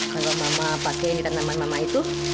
kalau mama pakai ini tanaman mama itu